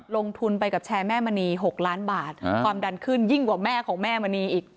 ลงทุนไปกับแชร์แม่มณี๖ล้านบาทความดันขึ้นยิ่งกว่าแม่ของแม่มณีอีก